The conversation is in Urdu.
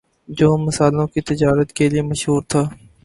جو مسالوں کی تجارت کے لیے مشہور تھا